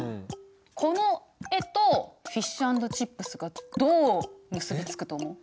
この絵とフィッシュ＆チップスがどう結び付くと思う？